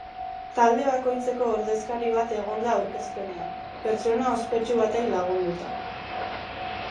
Talde bakoitzeko ordezkari bat egon da aurkezpenean, pertsona ospetsu batek lagunduta.